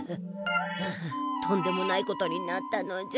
ふうとんでもないことになったのじゃ。